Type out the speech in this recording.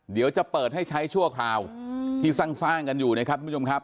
เดี๋ยวจะเปิดให้ใช้ชั่วคราวที่สร้างกันอยู่นะครับทุกผู้ชมครับ